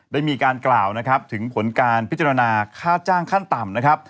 ได้มีการกล่าวถึงผลการพิจารณาค่าจ้างขั้นต่ำ